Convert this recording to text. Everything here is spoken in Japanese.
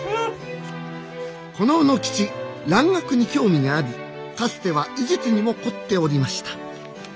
この卯之吉蘭学に興味がありかつては医術にも凝っておりました